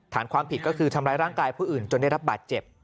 ฐานความผิดก็คือทำร้ายร่างกายผู้อื่นจนได้รับบาดเจ็บ